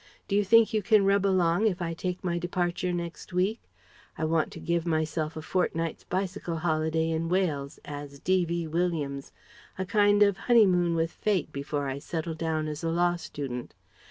Do you think you can rub along if I take my departure next week? I want to give myself a fortnight's bicycle holiday in Wales as D.V. Williams a kind of honeymoon with Fate, before I settle down as a law student.